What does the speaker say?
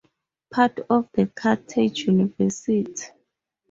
Part of the Carthage University.